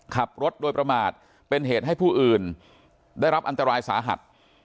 ขับรถโดยประมาทเป็นเหตุให้ผู้อื่นได้รับอันตรายสาหัส